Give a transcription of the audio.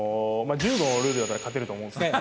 柔道のルールだったら勝てると思うんですけどね。